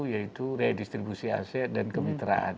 yaitu redistribusi aset dan kemitraan